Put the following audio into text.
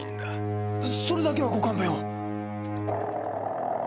それだけはご勘弁を！